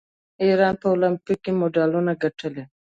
ایران په المپیک کې مډالونه ګټي.